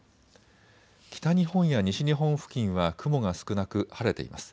北日本や西日本付近は雲が少なく晴れています。